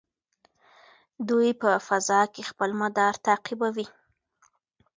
دوی په فضا کې خپل مدار تعقیبوي.